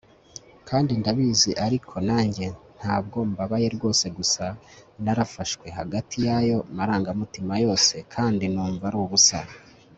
kandi ndabizi ariko nanjye ntabwo mbabaye rwose gusa narafashwe hagati yaya marangamutima yose kandi numva ari ubusa